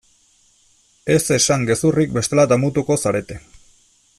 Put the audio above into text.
Ez esan gezurrik bestela damutuko zarete.